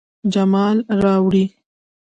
جمال راوړي